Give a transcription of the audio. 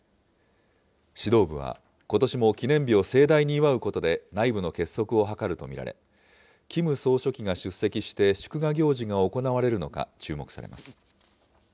指導部はことしも記念日を盛大に祝うことで、内部の結束を図ると見られ、キム総書記が出席して祝賀行事が行われるのか注目されます。